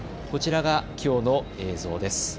こちらがきょうの映像です。